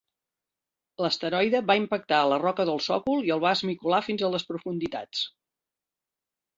L'asteroide va impactar a la roca del sòcol i el va esmicolar fins a les profunditats.